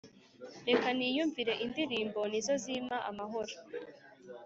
Reka niyumvire indirimbo nizo zima amahoro